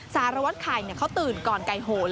สารวัตรไข่เขาตื่นก่อนไก่โหน